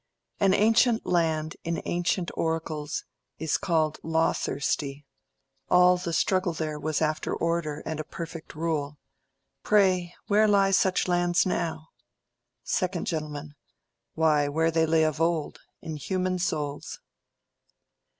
An ancient land in ancient oracles Is called "law thirsty": all the struggle there Was after order and a perfect rule. Pray, where lie such lands now? ... 2_d Gent_. Why, where they lay of old—in human souls.